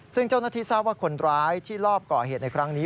ซึ่งเจ้าหน้าที่ทราบว่าคนร้ายที่ลอบก่อเหตุในครั้งนี้